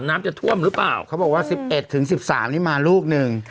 น้ำจะท่วมหรือเปล่าเขาบอกว่า๑๑ถึง๑๓นี่มาลูกหนึ่ง